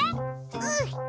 うん！